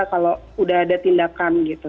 kalau udah ada tindakan gitu